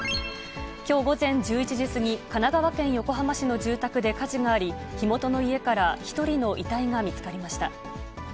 きょう午前１１時過ぎ、神奈川県横浜市の住宅で火事があり、火元の家から１人の遺体が見つかりました。